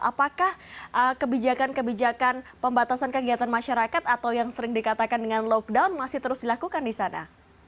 apakah kebijakan kebijakan pembatasan kegiatan masyarakat atau yang sering dikatakan dengan lockdown masih terus dilakukan di sana